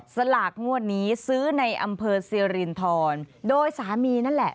สลากงวดนี้ซื้อในอำเภอสิรินทรโดยสามีนั่นแหละ